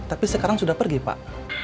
tapi sekarang sudah pergi pak